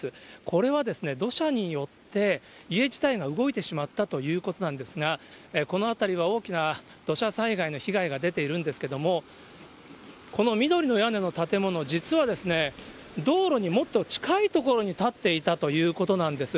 これは土砂によって、家自体が動いてしまったということなんですが、この辺りは大きな土砂災害の被害が出ているんですけれども、この緑の屋根の建物、実は道路にもっと近い所に建っていたということなんです。